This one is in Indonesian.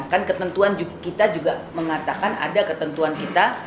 kan ketentuan kita juga mengatakan ada ketentuan kita